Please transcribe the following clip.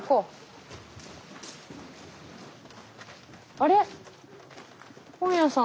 あれ？